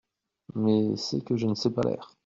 Mais c’est que je ne sais pas l’air.